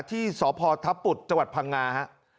ที่สพทัพปุทธิ์จพังงาครับ